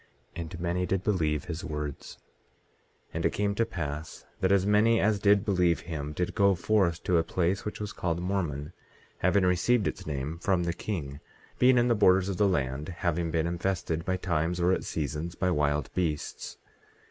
And many did believe his words. 18:4 And it came to pass that as many as did believe him did go forth to a place which was called Mormon, having received its name from the king, being in the borders of the land having been infested, by times or at seasons, by wild beasts.